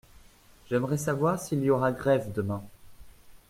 J’aimerais savoir s’il y aura grève demain.